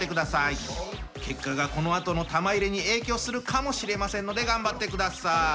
結果がこのあとの玉入れに影響するかもしれませんので頑張ってください。